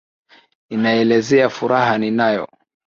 Ninaelezea furaha ninayo.